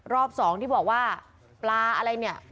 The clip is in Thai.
รอบสองที่บอกว่าปลาอะไรเนี่ย